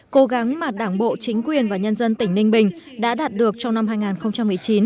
cố gắng mà đảng bộ chính quyền và nhân dân tỉnh ninh bình đã đạt được trong năm hai nghìn một mươi chín